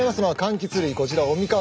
こちらおみかんの皮。